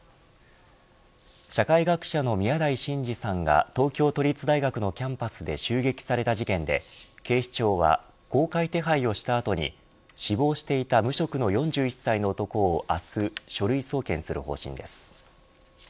社会学者の宮台真司さんが東京都立大学のキャンパスで襲撃された事件で警視庁は、公開手配をした後に死亡していた無職の４１歳の男を明日、書類送検する方針です。